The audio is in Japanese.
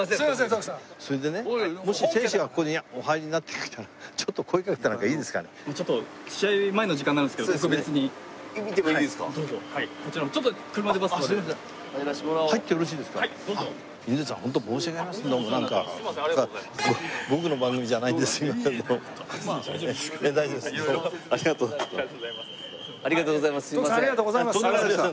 徳さんありがとうございます。